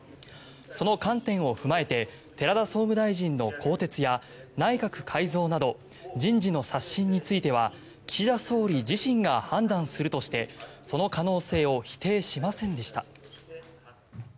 その観点を踏まえて寺田総務大臣の更迭や内閣改造など人事の刷新については岸田総理自身が判断するとしてその可能性を否定しませんでした。